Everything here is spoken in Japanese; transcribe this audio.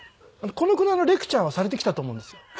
このくらいのレクチャーはされてきたと思うんですよ